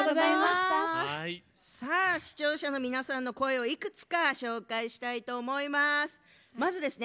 視聴者の皆さんの声をいくつか紹介したいと思います。